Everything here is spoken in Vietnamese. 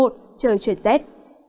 trời chuyển rét